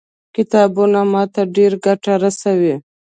کتابونه ما ته ډېره ګټه رسوي.